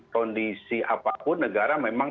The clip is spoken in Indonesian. kondisi apapun negara memang